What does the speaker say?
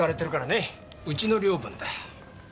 うちの領分だ。